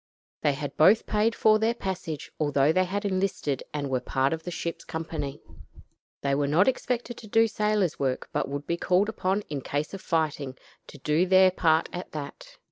They had both paid for their passage, although they had enlisted and were part of the ship's company. They were not expected to do sailor's work, but would be called upon in case of fighting to do their part at that.